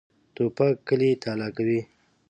توپک کلی تالا کوي.